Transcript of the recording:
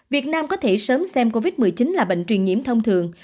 việt nam có thể sớm xem covid một mươi chín là bệnh truyền nhiễm thông thường